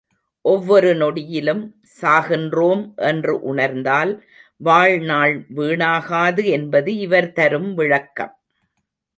ஒவ்வொரு நொடியிலும் சாகின்றோம் என்று உணர்ந்தால் வாழ்நாள் வீணாகாது என்பது இவர் தரும் விளக்கம்.